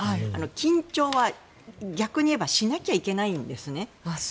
緊張は、逆に言えばしなきゃいけないんですね。